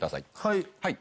はい。